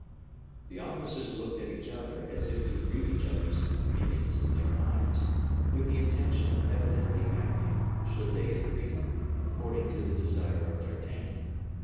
The officers looked at each other as if to read each other's opinions in their eyes, with the intention of evidently acting, should they agree, according to the desire of D'Artagnan.